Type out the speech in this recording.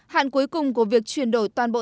hạn cuối cùng của việc chuyển đổi toàn bộ